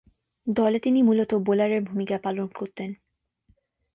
দলে তিনি মূলতঃ বোলারের ভূমিকায় পালন করতেন।